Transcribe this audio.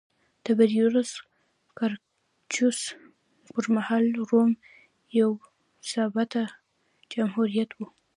تیبریوس ګراکچوس پرمهال روم یو باثباته جمهوریت و